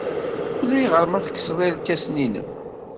Ulayɣer ma tekksed irkasen-nnem.